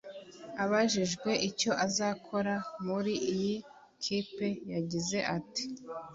Abajijwe icyo azakora muri iyi kipe yagize ati